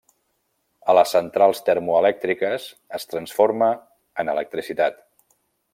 A les centrals termoelèctriques es transforma en electricitat.